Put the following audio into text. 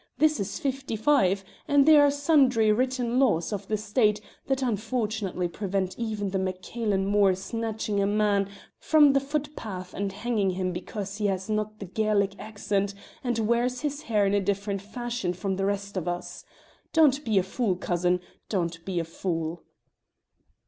this is '55, and there are sundry written laws of the State that unfortunately prevent even the Mac Cailen Mor snatching a man from the footpath and hanging him because he has not the Gaelic accent and wears his hair in a different fashion from the rest of us. Don't be a fool, cousin, don't be a fool!"